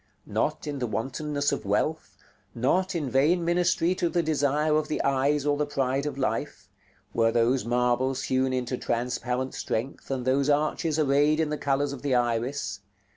Not in the wantonness of wealth, not in vain ministry to the desire of the eyes or the pride of life, were those marbles hewn into transparent strength, and those arches arrayed in the colors of the iris.